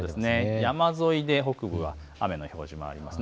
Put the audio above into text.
山沿いで北部は雨の表示もありますね。